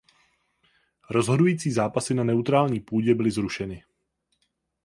Rozhodující zápasy na neutrální půdě byly zrušeny.